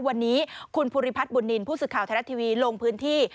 วันนี้คุณภูริพัฒน์บุญนินทร์ผู้สื่อข่าวไทยรัฐทีวีลงพื้นที่